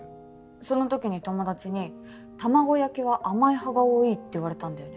そのときに友達に卵焼きは甘い派が多いって言われたんだよね。